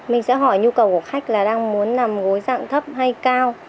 mình sẽ hỏi nhu cầu của khách là đang muốn làm gối dạng thấp hay cao